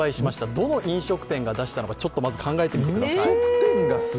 どの飲食店が出したのかまず考えてみてください。